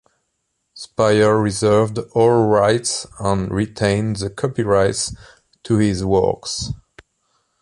Spier reserved all rights and retained the copyrights to his works.